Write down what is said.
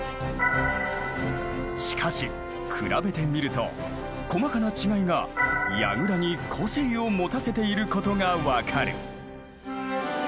しかし比べてみると細かな違いが櫓に個性を持たせていることがわかる。